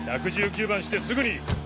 １１９番してすぐに。